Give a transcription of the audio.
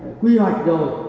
và quy hoạch rồi